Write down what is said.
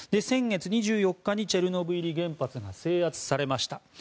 先月２４日にチェルノブイリ原発が制圧されました。